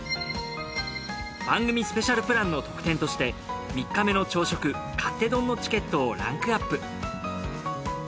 番組スペシャルプランの特典として３日目の朝食勝手丼のチケットをランクアップ。